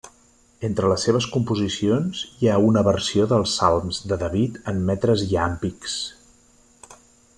Entre les seves composicions hi ha una versió dels salms de David en metres iàmbics.